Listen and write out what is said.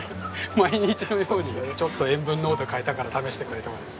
毎日のようにちょっと塩分濃度変えたから試してくれとかですね。